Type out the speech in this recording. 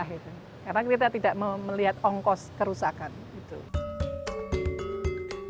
karena kita tidak melihat ongkos kerusakan